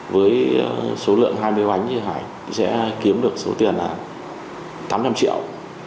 với số lượng hai mươi bánh thì hải sẽ kiếm được số tiền là tám trăm linh triệu